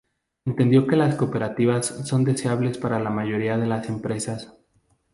Entendió que las cooperativas son deseables para la mayoría de las empresas.